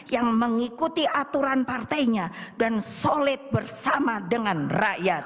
yang mengikuti aturan partainya dan solid bersama dengan rakyat